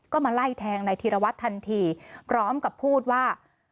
ก็มาไล่แทงนายธีรวัตรทันทีพร้อมกับพูดว่า